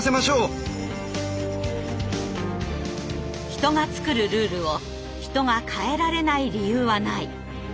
人が作るルールを人が変えられない理由はない。